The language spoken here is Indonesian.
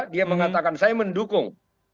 dia mengatakan saya mendukung